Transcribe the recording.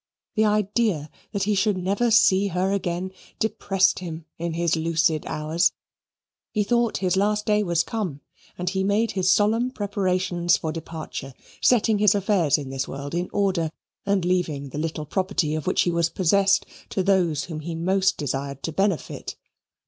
The idea that he should never see her again depressed him in his lucid hours. He thought his last day was come, and he made his solemn preparations for departure, setting his affairs in this world in order and leaving the little property of which he was possessed to those whom he most desired to benefit.